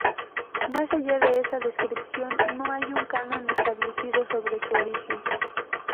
Más allá de esa descripción no hay un canon establecido sobre su origen.